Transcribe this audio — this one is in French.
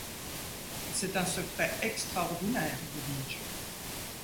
C’est un secret extraordinaire, vous dis-je.